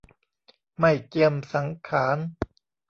ไม่เจียมสังขาร